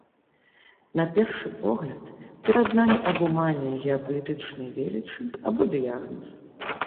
На першы погляд, перад намі або манія геапалітычнай велічы, або дыягназ.